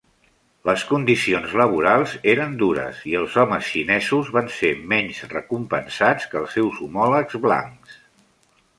Les condicions laborals eren dures, i els homes xinesos van ser menys recompensats que els seus homòlegs blancs.